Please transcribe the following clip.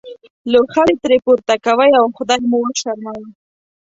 لوخړې ترې پورته کوئ او خدای مو وشرموه.